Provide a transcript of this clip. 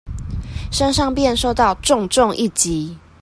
身上便受到重重一擊